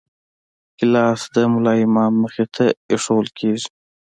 ګیلاس د ملا امام مخې ته ایښوول کېږي.